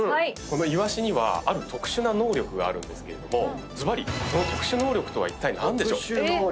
イワシにはある特殊な能力があるんですけれどもずばりその特殊能力とはいったい何でしょう？